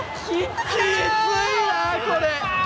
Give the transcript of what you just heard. きついなこれ。